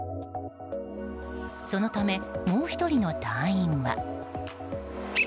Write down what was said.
そのため、もう１人の隊員は。